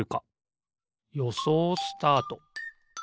よそうスタート！